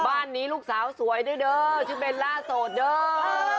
บ้านนี้ลูกสาวสวยเด้อชื่อเบลล่าโสดเด้อ